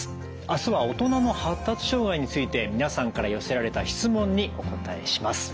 明日は「大人の発達障害」について皆さんから寄せられた質問にお答えします。